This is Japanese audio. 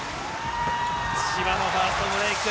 千葉のファストブレイク。